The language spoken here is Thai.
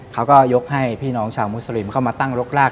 เขาก็ยกให้พี่น้องชาวมุสลิมเข้ามาตั้งรกราก